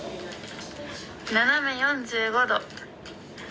斜め４５度。